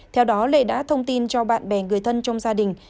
theo đó lệ đã thông tin cho bạn bè người thân trong gia đình